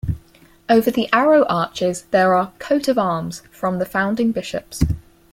Over the arrow arches there are "coat of arms" from the founding bishops.